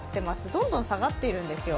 どんどん下がっているんですよ。